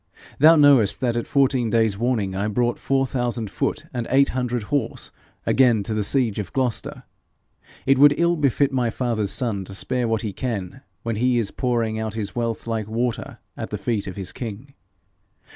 Thou knowest that at fourteen days' warning I brought four thousand foot and eight hundred horse again to the siege of Gloucester. It would ill befit my father's son to spare what he can when he is pouring out his wealth like water at the feet of his king.